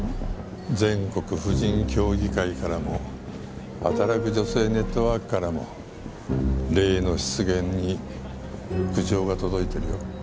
全国婦人協議会からもはたらく女性ネットワークからも例の失言に苦情が届いてるよ。